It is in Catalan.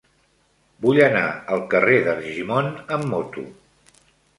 Vull anar al carrer d'Argimon amb moto.